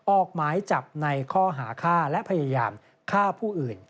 ออกหมายจับในข้อหาฆ่าและพยายามฆ่าผู้อื่น